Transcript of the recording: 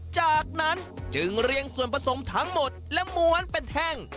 จากนั้นจึงเรียงส่วนผสมทั้งหมดและม้วนเป็นแท่ง